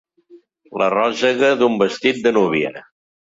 La ròssega d'un vestit de núvia.